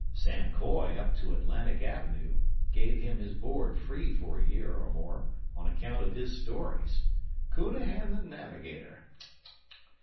Sam Coy, up to Atlantic Avenoo, give him his board free fer a year or more on account of his stories. "Counahan the Navigator!